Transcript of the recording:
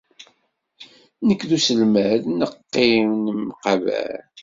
Nekk d uselmad neqqim, nemqabal.